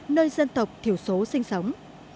nơi dân tộc thiểu số sinh sống